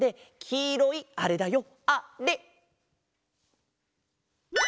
きいろいあれだよ。